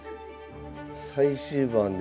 最終盤で？